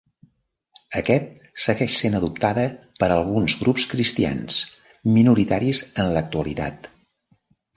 Aquest segueix sent adoptada per alguns grups Cristians minoritaris en l'actualitat.